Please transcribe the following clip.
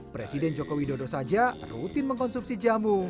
presiden jokowi dodo saja rutin mengkonsumsi jamu